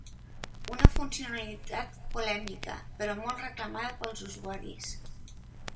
Una funcionalitat polèmica, però molt reclamada pels usuaris.